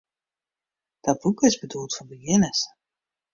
Dat boek is bedoeld foar begjinners.